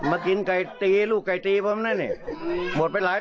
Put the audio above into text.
อ่ะเนี่ยคะคุณลุงก็บอกว่าโอ๊ยเจ็บปวดเลย